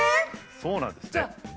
そうなんですって。